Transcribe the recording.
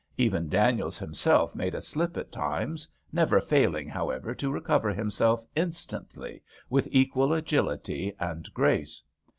Even Daniels himself made a slip at times, never failing however to recover himself instantly with equal agility and grace.